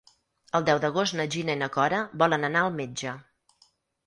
El deu d'agost na Gina i na Cora volen anar al metge.